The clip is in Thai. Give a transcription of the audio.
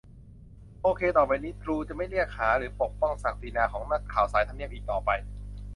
โอเค ต่อไปนี้ ตรูจะไม่เรียกหาหรือปกป้องศักดิ์ศรีของนักข่าวสายทำเนียบอีกต่อไป